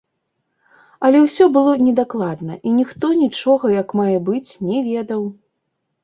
Але ўсё было недакладна, і ніхто нічога як мае быць не ведаў.